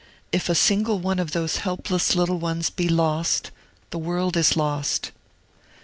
If a single one of those helpless little ones be lost, the world is lost!